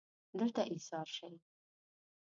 دلته ایسار شئ